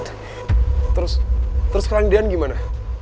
terus terus sekarang deyan gimana